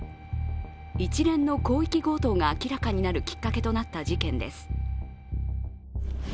一連の広域強盗が明らかになるきっかけとなった事件です。